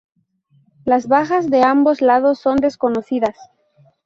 Las bajas de ambos lados son desconocidas.